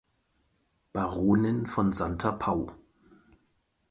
Baronin von Santa Pau.